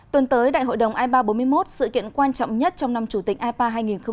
tuần tới đại hội đồng ipa bốn mươi một sự kiện quan trọng nhất trong năm chủ tịch ipa hai nghìn hai mươi